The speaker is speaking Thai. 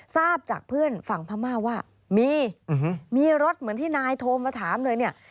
ทราบจากเพื่อนฝั่งพม่าว่ามีมีรถเหมือนที่นายโทรมาถามเลยเนี่ย